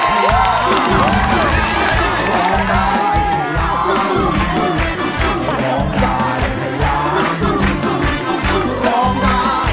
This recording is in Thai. พี่พีชา